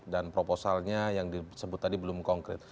dan proposalnya yang disebut tadi belum konkret